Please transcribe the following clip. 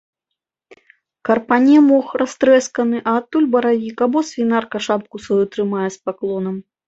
Карпане мох растрэсканы, а адтуль баравік або свінарка шапку сваю трымае з паклонам.